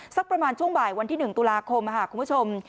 สักประมาณช่วงบ่ายวันที่๑ตุลาคมคุณผู้ชม